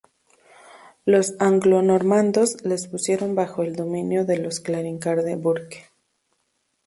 Los Anglonormandos les pusieron bajo el dominio de los Clanricarde Burke.